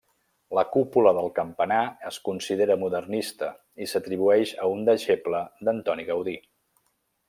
La cúpula del campanar es considera modernista i s'atribueix a un deixeble d'Antoni Gaudí.